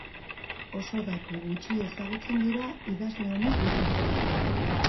Oso datu gutxi ezagutzen dira idazle honi buruz.